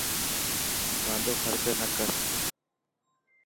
واندو خرچ نه ڪر.